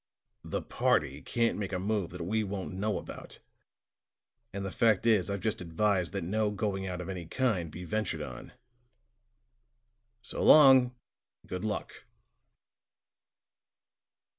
The party can't make a move that we won't know about; and the fact is, I've just advised that no going out of any kind be ventured on. So long, and good luck."